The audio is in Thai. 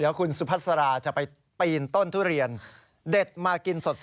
เดี๋ยวคุณสุพัสราจะไปปีนต้นทุเรียนเด็ดมากินสด